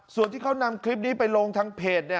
ส่วนที่เขานำคลิปนี้ไปลงทางเพจ